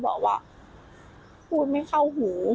บอกว่าพูดไม่เข้าหู